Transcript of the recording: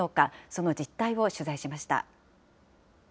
その実態を取材しました。